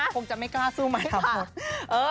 คงจะไม่กล้าสู้มันค่ะ